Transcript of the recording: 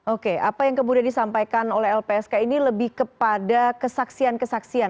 oke apa yang kemudian disampaikan oleh lpsk ini lebih kepada kesaksian kesaksian